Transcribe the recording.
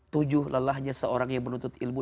tujuh lelahnya seorang yang menuntut ilmu